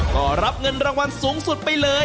ก็รับเงินรางวัลสูงสุดไปเลย